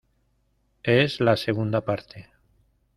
es la segunda parte.